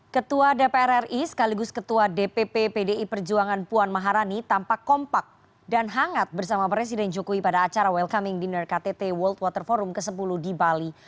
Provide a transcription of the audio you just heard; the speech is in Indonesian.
ketua dpr ri sekaligus ketua dpp pdi perjuangan puan maharani tampak kompak dan hangat bersama presiden jokowi pada acara welcoming dinner ktt world water forum ke sepuluh di bali